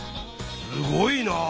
すごいなあ。